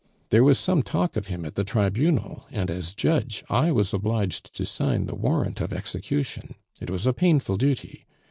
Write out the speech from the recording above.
There was some talk of him at the Tribunal, and, as judge, I was obliged to sign the warrant of execution. It was a painful duty.